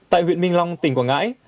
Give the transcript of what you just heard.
tại huyện minh long tỉnh quảng ngãi